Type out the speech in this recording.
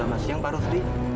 selamat siang pak rufri